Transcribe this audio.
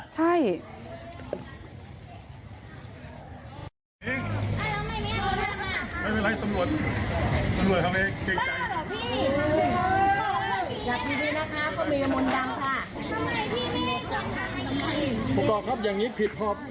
ใช่